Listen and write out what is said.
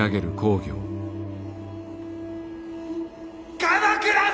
鎌倉殿！